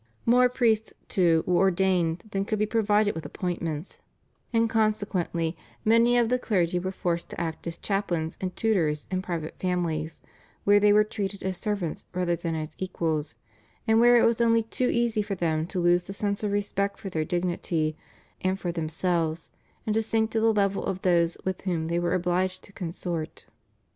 More priests, too, were ordained than could be provided with appointments, and consequently many of the clergy were forced to act as chaplains and tutors in private families, where they were treated as servants rather than as equals, and where it was only too easy for them to lose the sense of respect for their dignity and for themselves, and to sink to the level of those with whom they were obliged to consort.